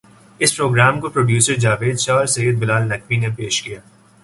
اس programme کو producer Javed Shah اور Syed Bilal Naqvi نے پیش کیا